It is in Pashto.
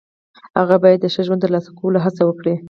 هغه باید د ښه ژوند د ترلاسه کولو هڅه وکړي.